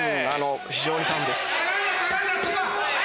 非常にタフです。